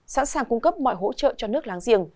sẵn sàng cung cấp mọi hỗ trợ cho nước láng giềng